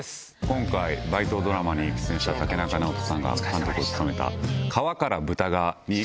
今回バイトドラマに出演した竹中直人さんが監督を務めた『川から豚が』に。